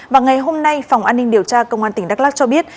và ngày hôm nay phòng an ninh điều tra công an tỉnh đắk lắc cho biết